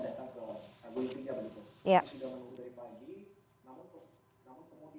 atau keseorang yang dihukum itu